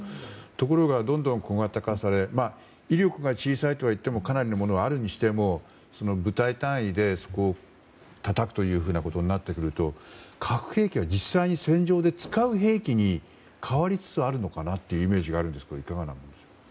ところが、どんどん小型化され威力が小さいとはいってもかなりのものはあるにしても部隊単位でそこをたたくということになると核兵器は実際に戦場で使う兵器に変わりつつあるのかなというイメージがあるんですけどいかがですか。